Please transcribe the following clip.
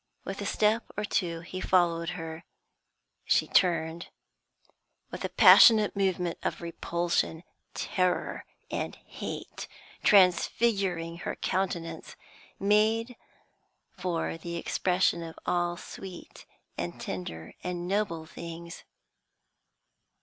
With a step or two he followed her; she turned, with a passionate movement of repulsion, terror, and hate transfiguring her countenance, made for the expression of all sweet and tender and noble things.